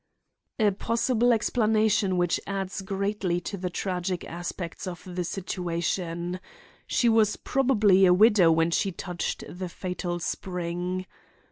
"A possible explanation which adds greatly to the tragic aspects of the situation. She was probably a widow when she touched the fatal spring.